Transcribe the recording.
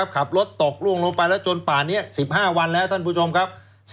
ขับรถตกล่วงลงไปแล้วจนป่านนี้๑๕วันแล้วท่านผู้ชมครับ